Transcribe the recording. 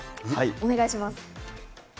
お願いします。